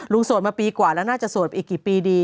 โสดมาปีกว่าแล้วน่าจะโสดไปอีกกี่ปีดี